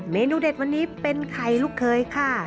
เมนูเด็ดวันนี้เป็นไข่ลูกเคยค่ะ